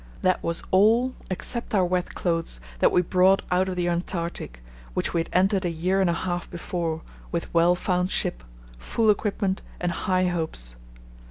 That was all, except our wet clothes, that we brought out of the Antarctic, which we had entered a year and a half before with well found ship, full equipment, and high hopes.